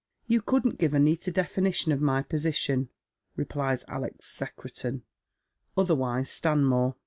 " You couldn't give a neater definition of my position," replies Alex Secretan, othei wise Stanmore.